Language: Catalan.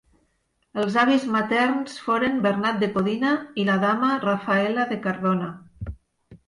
Els avis materns foren Bernat de Codina i la dama Rafaela de Cardona.